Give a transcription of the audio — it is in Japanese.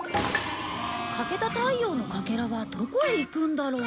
欠けた太陽のかけらはどこへ行くんだろう？